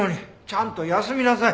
ちゃんと休みなさい。